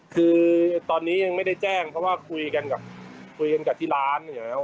คือตอนนี้ยังไม่ได้แจ้งเพราะว่าคุยกันกับที่ร้าน